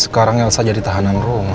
sekarang elsa jadi tahanan rumah